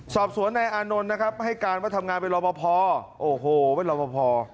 สอบสวนในอานนท์ให้การว่าทำงานไปรอพอพอโอโหไปรอพอพอ